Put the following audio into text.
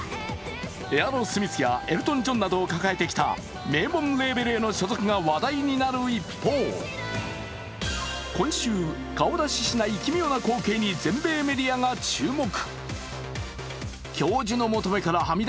エアロスミスやエルトン・ジョンなどを抱えてきた名門レーベルへの所属が話題になる一方、今週、顔出ししない奇妙な光景に全米メディアが注目。